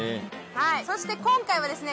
そして今回はですね